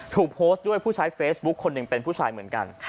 ถูกโพสต์ด้วยผู้ใช้เฟซบุ๊คคนหนึ่งเป็นผู้ชายเหมือนกัน